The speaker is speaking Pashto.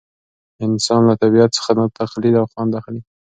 انسان له طبیعت څخه تقلید او خوند اخلي.